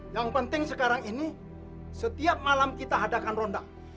yang penting sekarang ini setiap malam kita adakan ronda